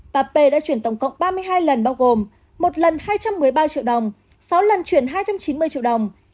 pap đã chuyển tổng cộng ba mươi hai lần bao gồm một lần hai trăm một mươi ba triệu đồng sáu lần chuyển hai trăm chín mươi triệu đồng